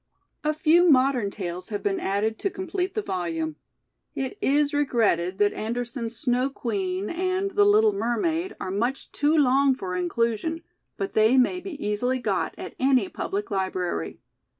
A few modern tales have been added to com plete the volume. It is regretted that Andersen's FOREWORD ix Snow Queen and The Little Mermaid, are much too long for inclusion, but they may be easily got at any public library.